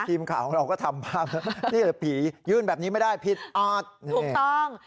ทีมข่าวของเราก็ทำภาพนี่หรือผียื่นแบบนี้ไม่ได้ผิดอาจนี่ถูกต้อง